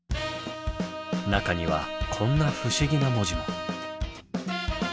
中にはこんな不思議な文字も。